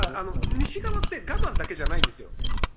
ただ西側って我慢だけじゃないんですよ。